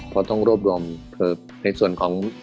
เพราะต้องรวบรวมในส่วนของ